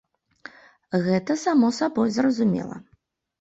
Гэта само сабой зразумела.